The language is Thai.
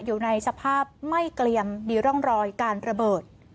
อยู่ในสภาพไม่เกลี่ยมมีร่องรอยการระเบิด